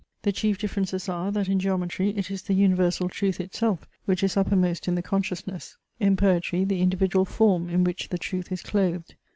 The chief differences are, that in geometry it is the universal truth itself, which is uppermost in the consciousness, in poetry the individual form in which the truth is clothed.